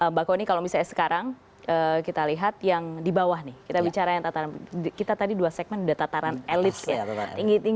mbak kony kalau misalnya sekarang kita lihat yang di bawah nih kita bicara yang tataran kita tadi dua segmen udah tataran elit ya